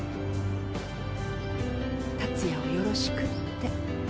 達也をよろしくって。